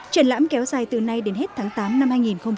triển lãm kéo dài từ nay đến hết tháng tám năm hai nghìn hai mươi